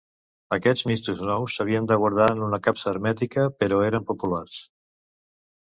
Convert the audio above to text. Aquests mistos nous s'havien de guardar en una capsa hermètica però eren populars.